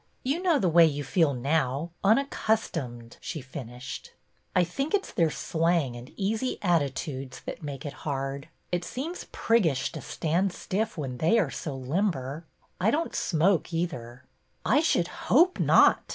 You know the way you feel now, unaccustomed," she finished. r think it 's their slang and easy attitudes that make it hard. It seems priggish to stand stiff when they are so limber. I don't smoke either." '' I should hope not!